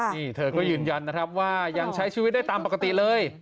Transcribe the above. นี่เธอก็ยืนยันนะครับว่ายังใช้ชีวิตได้ตามปกติเลย